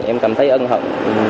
em cảm thấy ân hận